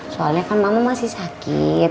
soalnya kan mama masih sakit